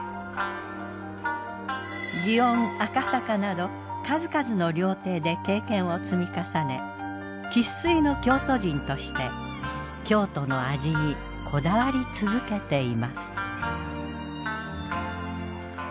祇園・赤坂など数々の料亭で経験を積み重ね生粋の京都人として京都の味にこだわり続けています。